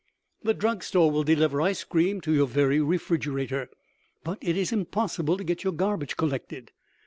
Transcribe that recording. The drug store will deliver ice cream to your very refrigerator, but it is impossible to get your garbage collected.